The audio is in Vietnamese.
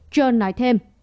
john nói thêm